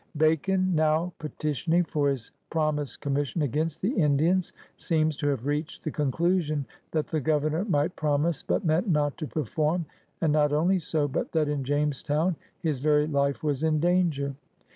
Bacon, now petitioning for his promised com mission against the Indians, seems to have reached the conclusion that the Governor might promise but meant not to perform, and not only so, but that in Jamestown his very life was in danger.